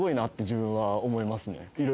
自分は思いますね。